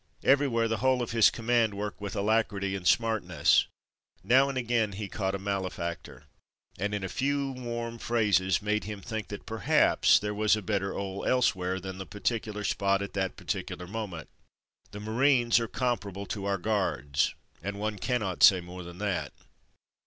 Everywhere the whole of his command worked with alacrity and smart ness. Now and again he caught a male factor, and in a few warm phrases made him think that perhaps there was a ''better 'ole'' elsewhere than that particular spot at that particular moment. The Marines are comparable to our Guards, and one cannot say more than that.